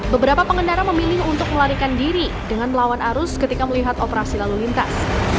beberapa pengendara memilih untuk melarikan diri dengan melawan arus ketika melihat operasi lalu lintas